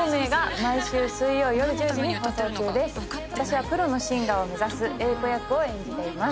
私はプロのシンガーを目指す英子役を演じています。